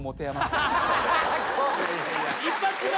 一発目？